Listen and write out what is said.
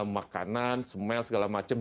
makanan smell segala macam